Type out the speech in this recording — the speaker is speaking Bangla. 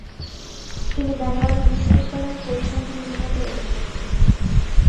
তিনি ব্যাঙ্গালোর বিশ্ববিদ্যালয়ের পরিসংখ্যান বিভাগের অধ্যাপক ছিলেন।